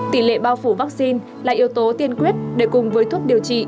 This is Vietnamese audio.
tỷ lệ bao phủ vaccine là yếu tố tiên quyết để cùng với thuốc điều trị